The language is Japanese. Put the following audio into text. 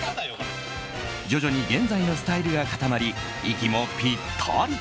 徐々に現在のスタイルが固まり息もぴったり！